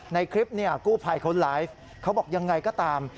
ในคลิปกู้ไภคนไลฟ์เขาบอกอย่างไรก็ตาม